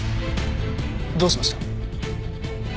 どうしました？